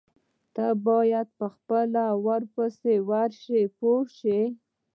تۀ باید په خپله پسې ورشې پوه شوې!.